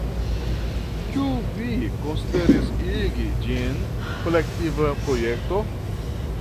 Ĉu vi konsideris igi ĝin kolektiva projekto?